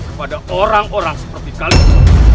kepada orang orang seperti kalian